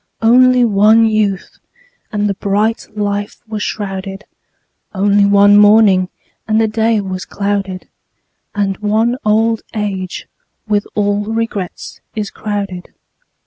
Only one youth, and the bright life was shrouded; Only one morning, and the day was clouded; And one old age with all regrets is crowded.